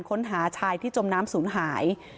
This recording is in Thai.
ค้นหาชายที่จมน้ำศูนย์หาย